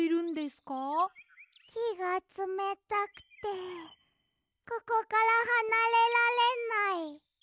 きがつめたくてここからはなれられない。